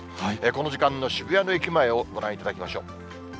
この時間の渋谷の駅前をご覧いただきましょう。